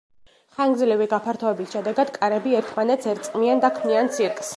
ხანგრძლივი გაფართოების შედეგად კარები ერთმანეთს ერწყმიან და ქმნიან ცირკს.